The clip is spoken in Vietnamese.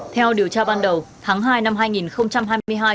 theo điều tra ban đầu tháng hai năm hai nghìn hai mươi hai